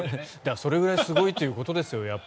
それぐらいすごいということですよ。